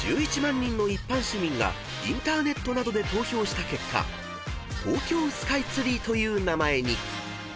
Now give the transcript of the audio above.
人の一般市民がインターネットなどで投票した結果東京スカイツリーという名前に］